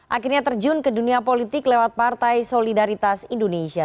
akhirnya terjun ke dunia politik lewat partai solidaritas indonesia